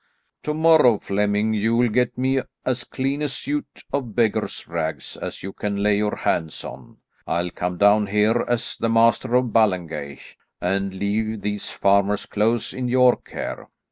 To morrow, Flemming, you'll get me as clean a suit of beggar's rags as you can lay your hands on. I'll come down here as the Master of Ballengeich, and leave these farmer's clothes in your care.